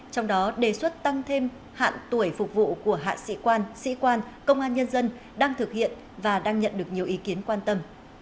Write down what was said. trong đó đề xuất tăng thêm hạn tuổi phục vụ của hạ sĩ quan sĩ quan công an nhân dân đang thực hiện và đang nhận được nhiều ý kiến quan tâm